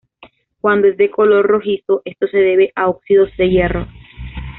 Cuando es de color rojizo esto se debe a óxidos de hierro.